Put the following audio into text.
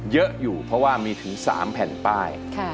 เยอะอยู่เพราะว่ามีถึง๓แผ่นป้าย